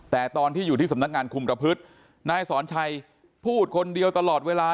แต่ตอนที่อยู่ที่สำนักงานคุมประพฤตินายสอนชัยพูดคนเดียวตลอดเวลา